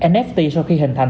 nft sau khi hình thành